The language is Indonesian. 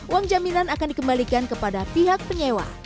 uang jaminan akan dikembalikan kepada pihak penyewa